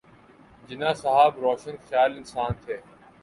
جناح صاحب روشن خیال انسان تھے۔